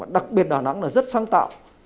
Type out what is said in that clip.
đặc biệt đà nẵng là rất sáng tạo